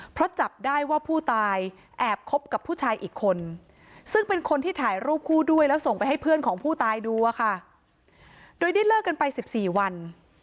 เพราะจับได้ว่าผู้ตายแอบคบกับผู้ชายอีกคนซึ่งเป็นคนที่ถ่ายรูปคู่ด้วยแล้วส่งไปให้เพื่อนของผู้ตายดูอะค่ะโดยได้เลิกกันไป๑๔วัน